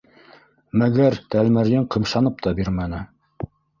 Мәгәр Тәлмәрйен ҡымшанып та бирмәне.